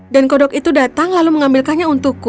dan kodok itu datang lalu mengambilkannya untukku